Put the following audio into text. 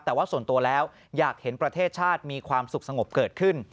แต่ว่าส่วนตัวแล้วอยากเห็นประเทศชาติมีความสุขสงบเกิดขึ้น